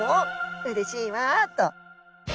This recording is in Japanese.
うれしいわ」と。